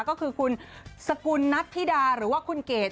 ก็คือคุณสกุลนัทธิดาหรือว่าคุณเกด